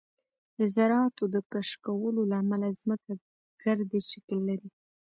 د ذراتو د کشکولو له امله ځمکه ګردی شکل لري